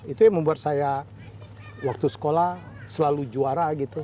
itu yang membuat saya waktu sekolah selalu juara gitu